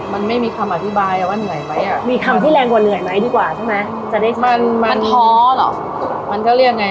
มันมีอะไรมันมันมันร้อนอ่ะแม่มันออกมาเองอ่ะ